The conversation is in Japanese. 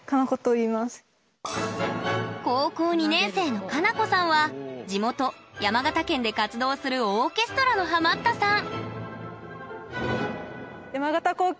高校２年生の奏子さんは地元・山形県で活動するオーケストラのハマったさん。